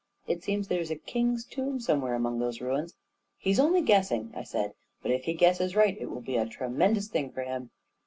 It seems there is a king's tomb somewhere among those ruins." 44 He's only guessing," I said; " but if he guesses right, it will be a tremendous thing for him."